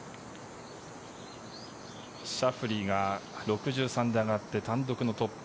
シャフリーが６３で上がって単独のトップ。